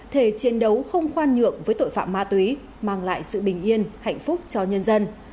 thể chiến đấu không khoan nhượng với tội phạm ma túy mang lại sự bình yên hạnh phúc cho nhân dân